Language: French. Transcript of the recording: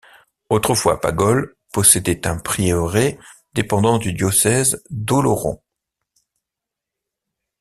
Autrefois, Pagolle possédait un prieuré dépendant du diocèse d'Oloron.